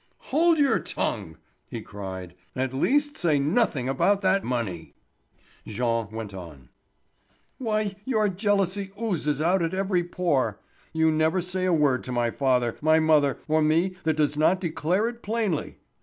"Hold your tongue," he cried. "At least say nothing about that money." Jean went on: "Why your jealousy oozes out at every pore. You never say a word to my father, my mother, or me that does not declare it plainly.